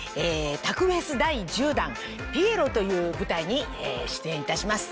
タクフェス第１０弾『ぴえろ』という舞台に出演いたします。